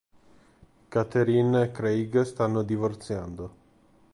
Katherine e Craig stanno divorziando.